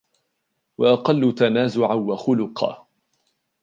وَأَقَلُّ تَنَازُعًا وَخُلْفًا